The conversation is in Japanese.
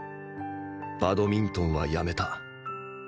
バドミントンはやめた